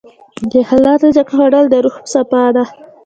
د حلال رزق خوړل د روح صفا ده.